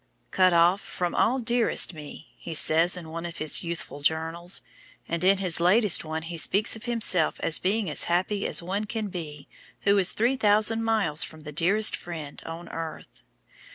"Cut off from all dearest me," he says in one of his youthful journeys, and in his latest one he speaks of himself as being as happy as one can be who is "three thousand miles from the dearest friend on earth."